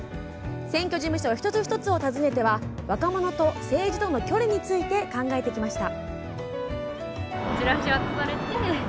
選挙事務所、一つ一つを訪ねては若者と政治との距離について考えてきました。